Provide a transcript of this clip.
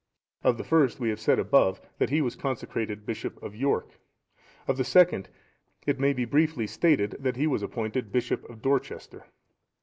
(696) Of the first we have said above that he was consecrated bishop of York; of the second, it may be briefly stated that he was appointed bishop of Dorchester.